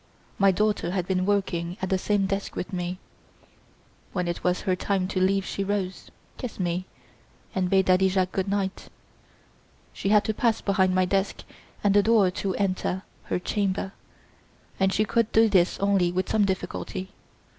My daughter had been working at the same desk with me. When it was her time to leave she rose, kissed me, and bade Daddy Jacques goodnight. She had to pass behind my desk and the door to enter her chamber, and she could do this only with some difficulty.